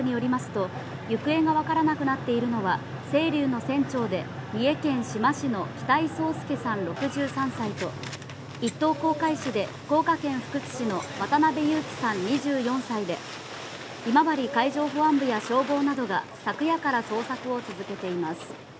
今治海上保安部によりますと、行方がわからなくなっているのは「せいりゅう」の船長で三重県志摩市の北井宗佑さん６３歳と、一等航海士で福岡県福津市の渡辺侑樹さん２４歳で、今治海上保安部や消防などが昨夜から捜索を続けています。